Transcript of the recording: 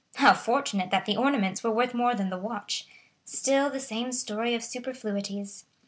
How fortunate that the ornaments were worth more than the watch. Still the same story of superfluities!